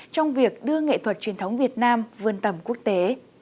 trong việc đưa nghệ thuật truyền thống việt nam vươn tầm quốc tế